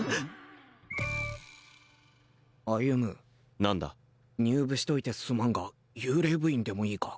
歩何だ入部しといてすまんが幽霊部員でもいいか？